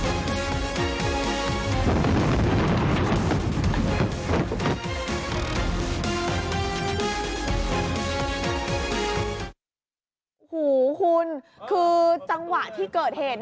โอ้โหคุณคือจังหวะที่เกิดเหตุ